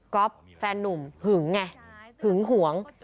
ก็แฟนนุ่มหึงไงหึงหวง